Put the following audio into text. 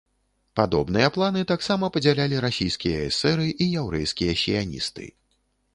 Падобныя планы таксама падзялялі расійскія эсэры і яўрэйскія сіяністы.